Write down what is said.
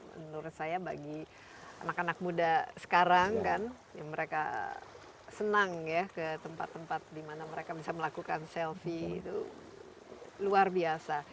menurut saya bagi anak anak muda sekarang kan yang mereka senang ya ke tempat tempat di mana mereka bisa melakukan selfie itu luar biasa